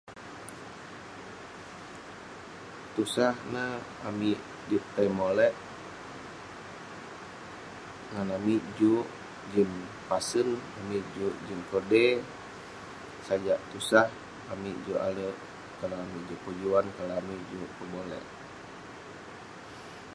Tusah neh amik juk tai molek, ngan amik juk jin pasen, amik juk jin kodey, sajak tusah..amik juk alek kalau amik juk pejuan kalau amik juk pebolek.